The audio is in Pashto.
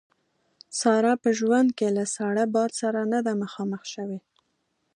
ساره په ژوند کې له ساړه باد سره نه ده مخامخ شوې.